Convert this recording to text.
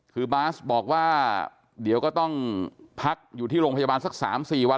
คือบาสบอกว่าเดี๋ยวก็ต้องพักอยู่ที่โรงพยาบาลสัก๓๔วัน